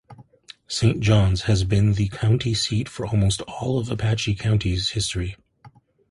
Saint Johns has been the county seat for almost all of Apache County's history.